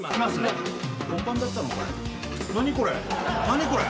何これ？